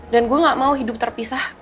dan gue gak mau hidup terpisah